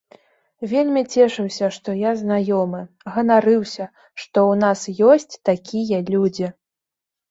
Вельмі цешыўся, што я знаёмы, ганарыўся, што ў нас ёсць такія людзі.